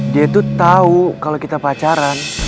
dia tuh tau kalo kita pacaran